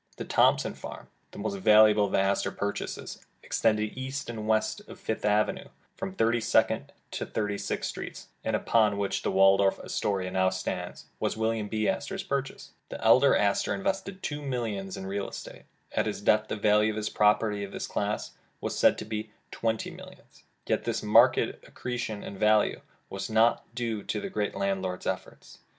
The Thompson farm, the most valuable of the Astor purchases, extending east and west of Fifth Avenue from Thirty second to Thirty sixth Streets, and upon which the Waldorf Astoria now stands, was William B. Astor 's purchase. The elder Astor invested two millions in real estate. At his death the value of his property of this class, was said to be twenty millions. Yet this marked accretion in value was not due to the great landlord's efforts.